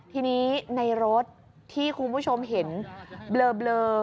ทีนี้ในรถที่คุณผู้ชมเห็นเบลอ